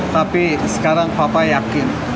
tapi sekarang papa yakin